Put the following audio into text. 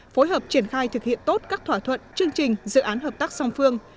phối hợp triển khai thực hiện tốt các thỏa thuận chương trình dự án hợp tác song phương